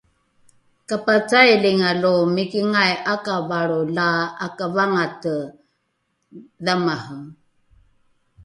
kapacailinga lo mikingai ’akavalro la ’akavangate dhamare